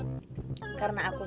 aku sayangnya aku ngelakuin semua ini